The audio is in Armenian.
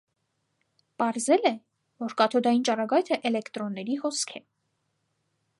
Պարզել Է, որ կաթոդային ճառագայթը էլեկտրոնների հոսք Է։